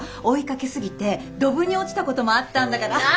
追いかけすぎてドブに落ちたこともあったんだから。